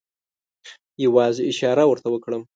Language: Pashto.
یوازې اشاره ورته وکړم.